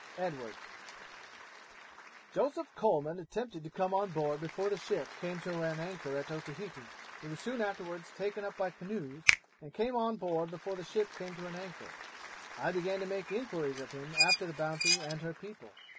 Edwards 'Joseph Coleman attempted to come on board before the ship came to an anchor at Otaheite; he was soon afterwards taken up by canoes and came on board before the ship came to an anchor; I began to make inquiries of him after the Bounty and her people.